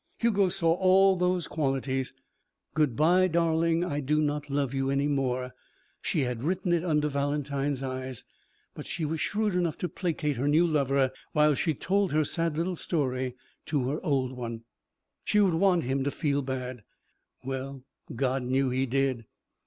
Hugo saw all those qualities. "Good bye, darling, I do not love you any more." She had written it under Valentine's eyes. But she was shrewd enough to placate her new lover while she told her sad little story to her old. She would want him to feel bad. Well, God knew, he did.